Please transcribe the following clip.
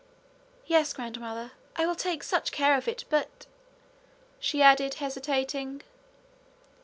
'Yes, grandmother. I will take such care of it! But ' she added, hesitating.